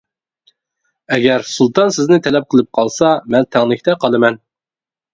ئەگەر سۇلتان سىزنى تەلەپ قىلىپ قالسا، مەن تەڭلىكتە قالىمەن.